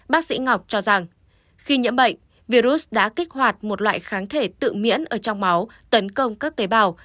bác sĩ ngọc cho rằng khi nhiễm bệnh virus đã kích hoạt một loại kháng thể tự miễn ở trong máu tấn công các tế bào